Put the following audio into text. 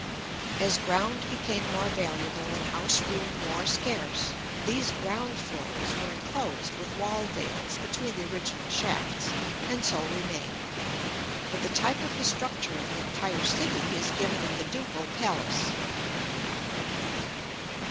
As ground became more valuable and house room more scarce, these ground floors were enclosed with wall veils between the original shafts, and so remain; but the type of the structure of the entire city is given in the Ducal Palace.